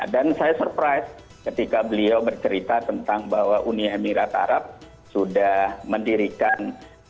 saya surprise ketika beliau bercerita tentang bahwa uni emirat arab sudah mendirikan